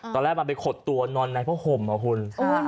ตอนแรกมันไปขดตัวนอนในผ้าห่มเหรอคุณ